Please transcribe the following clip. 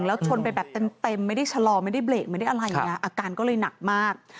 แล้วชนไปแบบเต็มไม่ได้ชะลอไม่ได้เบรกไม่ได้อะไรนะอาการก็เลยหนักมาก